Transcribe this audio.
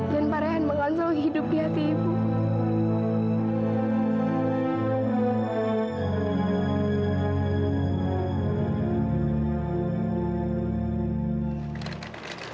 dan barang yang mengonsol hidup di hati ibu